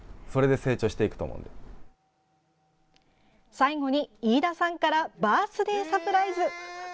最後に、飯田さんからバースデーサプライズ。